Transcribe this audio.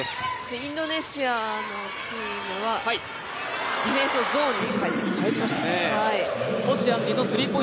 インドネシアのチームはディフェンスをゾーンに変えてきました。